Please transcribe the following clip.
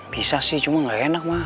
bisa sih cuma gak enak ma